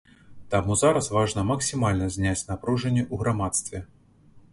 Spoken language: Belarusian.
Таму зараз важна максімальна зняць напружанне ў грамадстве.